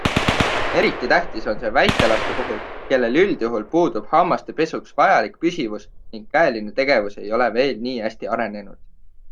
Eriti tähtis on see väikelaste puhul, kellel üldjuhul puudub hammaste pesuks vajalik püsivus ning käeline tegevus ei ole veel nii hästi arenenud.